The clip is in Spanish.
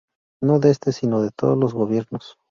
No de este, sino de todos los gobiernos.